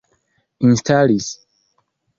instalis